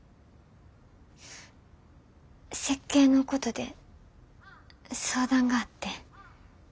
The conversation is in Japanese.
設計のことで相談があって。